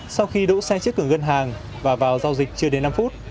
sau khi đỗ xe trước cửa ngân hàng và vào giao dịch chưa đến năm phút